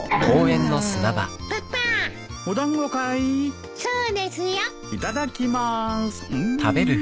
いただきます。